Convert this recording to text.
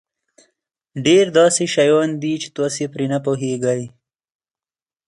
ډېر داسې شیان دي چې تاسو پرې نه پوهېږئ.